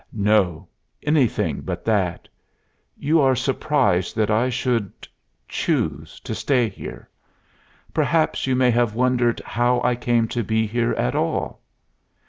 "No. Anything but that. You are surprised that I should choose to stay here. Perhaps you may have wondered how I came to be here at all?"